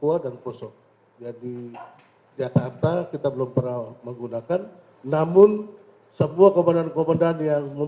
ada tentunya agak besar